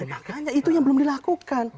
makanya itu yang belum dilakukan